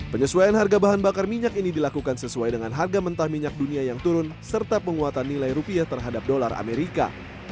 penyesuaian harga bahan bakar minyak ini dilakukan sesuai dengan harga mentah minyak dunia yang turun serta penguatan nilai rupiah terhadap dolar amerika